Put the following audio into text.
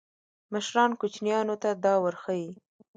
مشران کوچنیانو ته دا ورښيي.